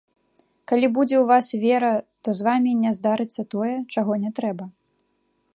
Калі будзе ў вас вера, то з вамі не здарыцца тое, чаго не трэба.